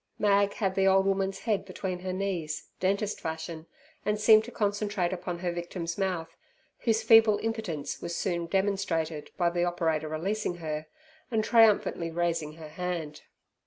Mag had the old woman's head between her knees, dentist fashion, and seemed to concentrate upon her victim's mouth, whose feeble impotence was soon demonstrated by the operator releasing her, and triumphantly raising her hand.